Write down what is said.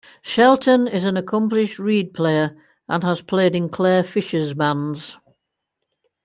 Shelton is an accomplished reed player and has played in Clare Fischer's bands.